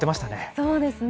そうですね。